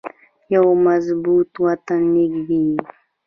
یو مضبوط وطن نړیږي